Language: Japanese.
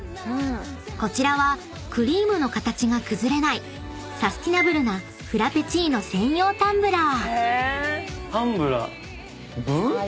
［こちらはクリームの形が崩れないサスティナブルなフラペチーノ専用タンブラー］